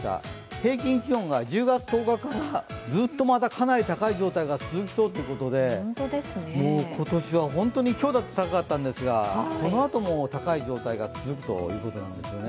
平均気温が１０月１０日からずっとかなり高い状態が続きそうということで今年は本当に、今日だって高かったんですが、このあとも高い状態が続くということなんですね。